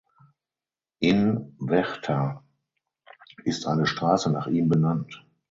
In Vechta ist eine Straße nach ihm benannt.